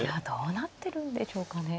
いやどうなってるんでしょうかね。